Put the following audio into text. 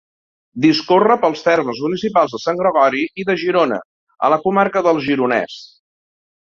Discorre pels termes municipals de Sant Gregori i de Girona, a la comarca del Gironès.